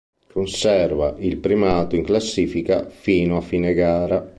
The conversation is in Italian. Conserva il primato in classifica fino a fine gara.